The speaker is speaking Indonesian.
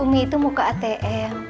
umi itu mau ke atm